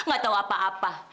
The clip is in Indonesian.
gak tahu apa apa